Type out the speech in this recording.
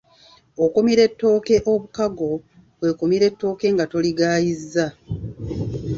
Okumira ettooke obukago, kwe kumira ettooke nga toligayizza.